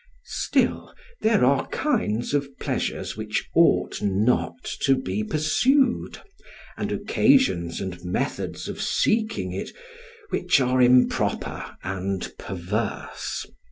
Still, there are kinds of pleasures which ought not to be pursued, and occasions and methods of seeking it which are improper and perverse.